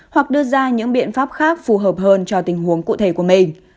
hoặc đưa ra những biện pháp khác phù hợp hơn cho tình huống cụ thể của mình